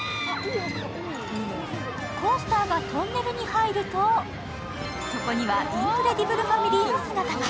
コースターがトンネルに入ると、そこにはインクレディブル・ファミリーの姿が。